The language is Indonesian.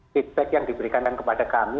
feedback yang diberikan kepada kami